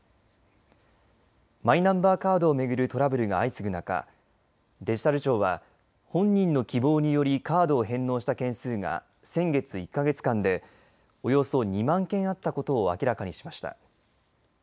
マイナンバーカードを巡るトラブルが相次ぐ中デジタル庁は本人の希望によりカードを返納した件数が先月１か月間でおよそ２万件あったことを明らかにしました。